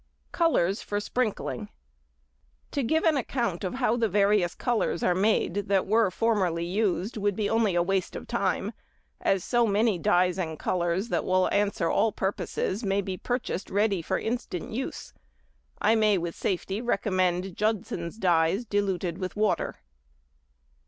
Colours for Sprinkling.—To give an account of how the various colours are made that were formerly used would be only waste of time, as so many dyes and colours that |69| answer all purposes may be purchased ready for instant use. I may with safety recommend Judson's dyes diluted with water.